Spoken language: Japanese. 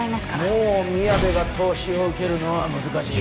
もうみやべが投資を受けるのは難しい。